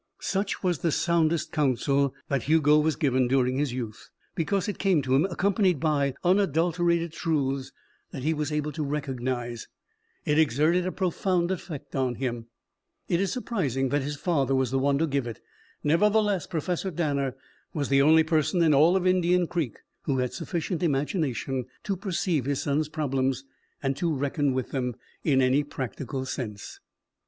Such was the soundest counsel that Hugo was given during his youth. Because it came to him accompanied by unadulterated truths that he was able to recognize, it exerted a profound effect on him. It is surprising that his father was the one to give it. Nevertheless, Professor Danner was the only person in all of Indian Creek who had sufficient imagination to perceive his son's problems and to reckon with them in any practical sense.